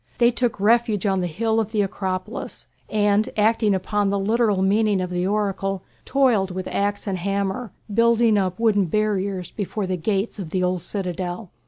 They took refuge on the hill of the Acropolis, and acting upon the literal meaning of the oracle toiled with axe and hammer, building up wooden barriers before the gates of the old citadel.